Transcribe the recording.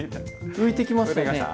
浮いてきました？